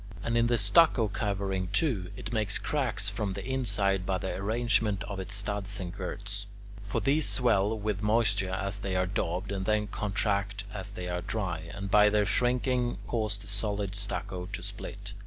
And, in the stucco covering, too, it makes cracks from the inside by the arrangement of its studs and girts. For these swell with moisture as they are daubed, and then contract as they dry, and, by their shrinking, cause the solid stucco to split.